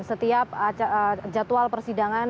setiap jadwal persidangan